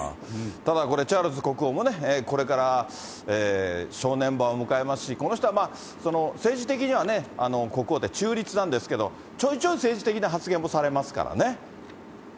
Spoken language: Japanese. ただこれ、チャールズ国王もこれから正念場を迎えますし、この人は政治的には国王って中立なんですけど、ちょいちょい政治的な発言もされますからね。